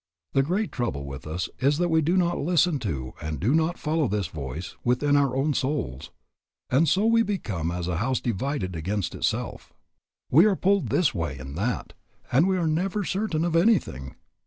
The great trouble with us is that we do not listen to and do not follow this voice within our own souls, and so we become as a house divided against itself. We are pulled this way and that, and we are never certain of anything.